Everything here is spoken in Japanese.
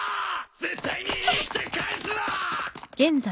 ・絶対に生きてかえすな！